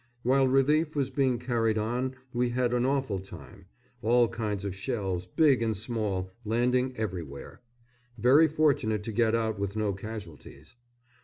While relief was being carried on we had an awful time: all kinds of shells, big and small, landing everywhere. Very fortunate to get out with no casualties.